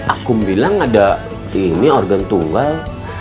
aku bilang ada ini organ tunggal